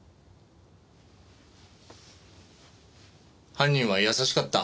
犯人は優しかった。